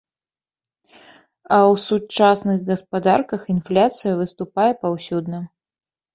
А ў сучасных гаспадарках інфляцыя выступае паўсюдна.